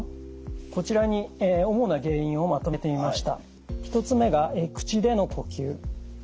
こちらに主な原因をまとめてみました。